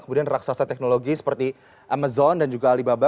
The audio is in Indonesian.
kemudian raksasa teknologi seperti amazon dan juga alibaba